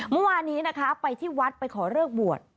เมื่อวานนี้นะคะไปที่วัดไปขอเลิกบวช